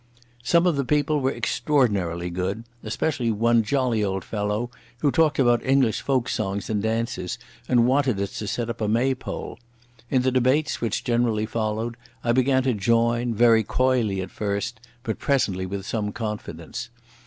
Some of the people were extraordinarily good, especially one jolly old fellow who talked about English folk songs and dances, and wanted us to set up a Maypole. In the debates which generally followed I began to join, very coyly at first, but presently with some confidence.